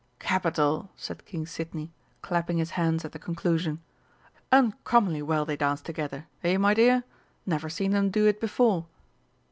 "Capital!" said King Sidney, clapping his hands at the conclusion. "Uncommonly well they dance together, eh, my dear never seen them do it before."